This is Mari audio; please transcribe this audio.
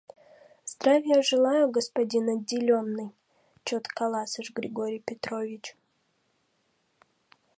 — Здравия желаю, господин отделенный! — чот каласыш Григорий Петрович.